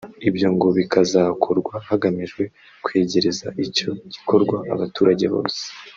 ibyo ngo bikazakorwa hagamijwe kwegereza icyo gikorwa abaturage bose